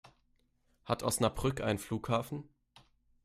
Hat Osnabrück einen Flughafen?